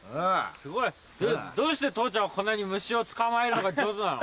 すごいどうして父ちゃんはこんなに虫を捕まえるのが上手なの？